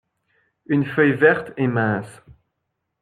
Une feuille verte et mince.